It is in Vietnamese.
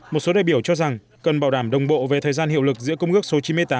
một số đại biểu cho rằng cần bảo đảm đồng bộ về thời gian hiệu lực giữa công ước số chín mươi tám